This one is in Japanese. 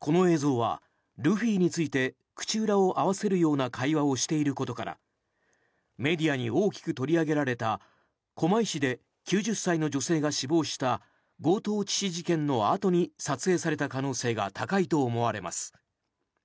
この映像はルフィについて口裏を合わせるような会話をしていることからメディアに大きく取り上げられた狛江市で９０歳の女性が死亡した強盗致死事件のあとに撮影された可能性が高いと思われます。